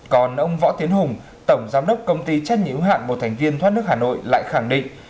còn ông võ tiến hùng tổng giám đốc công ty chất nhiễu hạng một thành viên thoát nước hà nội lại khẳng định